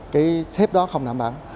cái thép đó không đảm bảo